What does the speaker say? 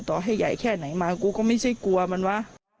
ต่อให้ใหญ่แค่ไหนมากูก็ไม่ใช่กลัวมันวะ